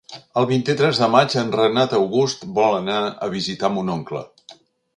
El vint-i-tres de maig en Renat August vol anar a visitar mon oncle.